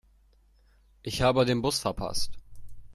Ich habe den Bus verpasst.